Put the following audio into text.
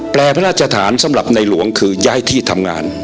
พระราชฐานสำหรับในหลวงคือย้ายที่ทำงาน